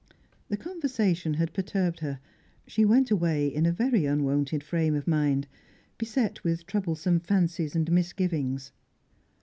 The conversation had perturbed her; she went away in a very unwonted frame of mind, beset with troublesome fancies and misgivings.